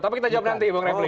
tapi kita jawab nanti bung refli